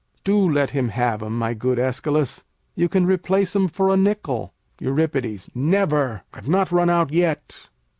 Do let him have 'em, my good Æschylus. You can replace 'em for a nickel. Eur. Never. I've not run out yet.